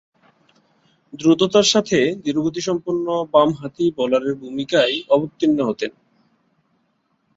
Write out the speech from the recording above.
দ্রুততার সাথে ধীরগতিসম্পন্ন বামহাতি বোলারের ভূমিকায় অবতীর্ণ হতেন।